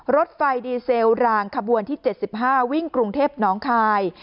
รถไฟดีเซลรางขบวนที่๗๕วิ่งกรุงเทพน้องคาย